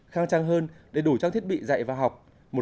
khang trang hơn đầy đủ trang thiết bị dạy và học